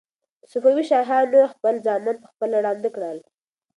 صفوي شاهانو خپل زامن په خپله ړانده کړل.